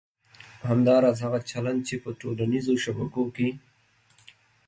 همداراز هغه چلند چې په ټولنیزو شبکو کې